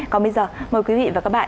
còn bây giờ mời quý vị và các bạn